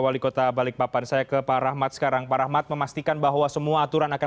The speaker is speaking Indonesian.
men sosialisasikan kepada warga